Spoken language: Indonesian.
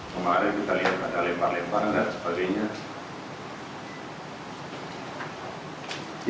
kemarin kita lihat ada lempar lemparan dan sebagainya